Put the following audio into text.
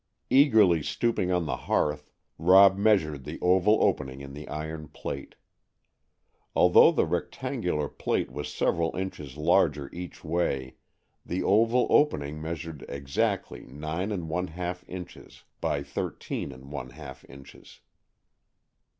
Eagerly stooping on the hearth, Rob measured the oval opening in the iron plate. Although the rectangular plate was several inches larger each way, the oval opening measured exactly nine and one half inches by thirteen and one half inches.